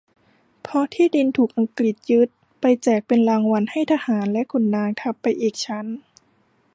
เพราะที่ดินถูกอังกฤษยึดไปแจกเป็นรางวัลให้ทหารและขุนนาง ทับไปอีกชั้น